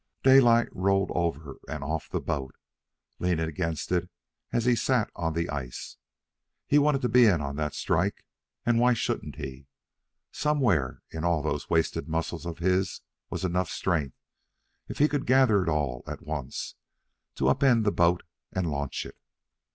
Daylight rolled over and off the boat, leaning against it as he sat on the ice. He wanted to be in on that strike. And why shouldn't he? Somewhere in all those wasted muscles of his was enough strength, if he could gather it all at once, to up end the boat and launch it.